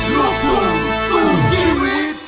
ลูกหนูสู้ชีวิต